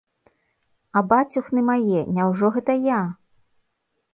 А бацюхны мае, няўжо гэта я?